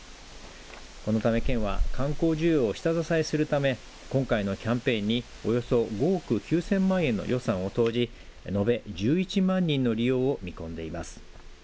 このため県は観光需要を下支えするため今回のキャンペーンにおよそ５億９０００万円の予算を投じ延べ１１万人の利用を見込んでいます。